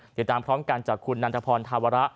ติดตามพร้อมกันจากคุณนันทพรธาวระ